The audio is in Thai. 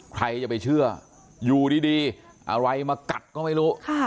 ใครจะไปเชื่ออยู่ดีอะไรมากัดก็ไม่รู้